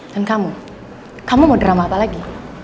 dan kamu kamu mau drama apa lagi